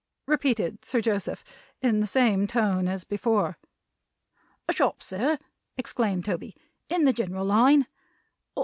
repeated Sir Joseph, in the same tone as before. "A shop, sir," exclaimed Toby, "in the general line.